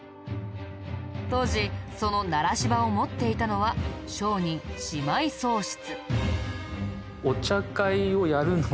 当時その柴を持っていたのは商人島井宗室。